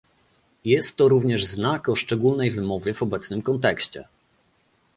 Jest to również znak o szczególnej wymowie w obecnym kontekście